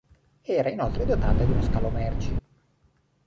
Era inoltre dotata di uno scalo merci.